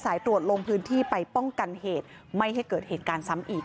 ตรวจลงพื้นที่ไปป้องกันเหตุไม่ให้เกิดเหตุการณ์ซ้ำอีก